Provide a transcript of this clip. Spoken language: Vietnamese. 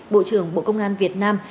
bộ trưởng bộ công an việt nam